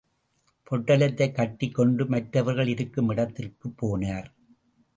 பொட்டலத்தைக் கட்டிக் கொண்டு, மற்றவர்கள் இருக்கும் இடத்திற்குப் போனார்.